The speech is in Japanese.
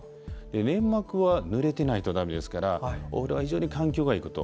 粘膜はぬれてないとだめですからお風呂は非常に環境がいいこと。